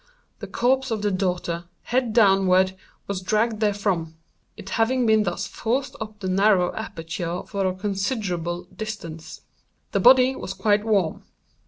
the corpse of the daughter, head downward, was dragged therefrom; it having been thus forced up the narrow aperture for a considerable distance. The body was quite warm.